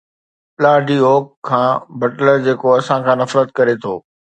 پلا ڊي اوڪ کان بٽلر، جيڪو اسان کان نفرت ڪري ٿو